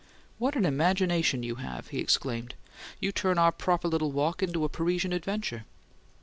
"What an imagination you have!" he exclaimed. "You turn our proper little walk into a Parisian adventure."